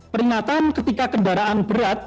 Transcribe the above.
peringatan ketika kendaraan berat